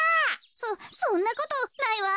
そそんなことないわ。